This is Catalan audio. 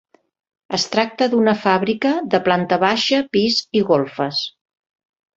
Es tracta d'una fàbrica de planta baixa, pis i golfes.